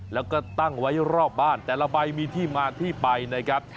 แล้วก็ตั้งไว้รอบบ้านแต่ละใบมีที่มาที่ไปนะครับ